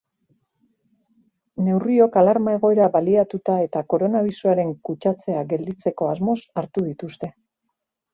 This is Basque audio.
Neurriok alarma-egoera baliatuta eta koronabirusaren kutsatzeak gelditzeko asmoz hartu dituzte.